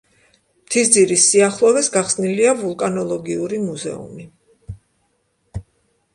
მთისძირის სიახლოვეს გახსნილია ვულკანოლოგიური მუზეუმი.